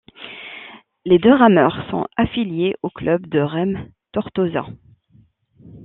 Les deux rameurs sont affiliés au Club de Rem Tortosa.